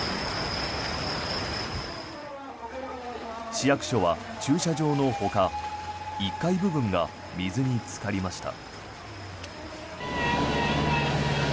市役所は駐車場のほか１階部分が水につかりました。